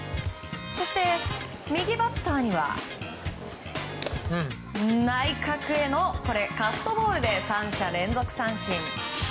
そして右バッターには内角へのカットボールで３者連続三振。